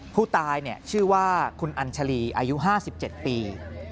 ผู้ตายชื่อว่าคุณอัญชาลีอายุ๕๗ปี